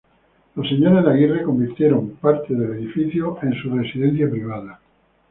Los señores de Aguirre convirtieron parte del edificio en su residencia privada.